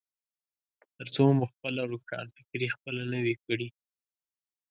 ترڅو مو خپله روښانفکري خپله نه وي کړي.